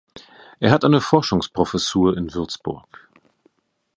Er hat eine Forschungsprofessur in Würzburg.